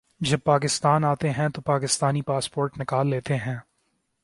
جب پاکستان آتے ہیں تو پاکستانی پاسپورٹ نکال لیتے ہیں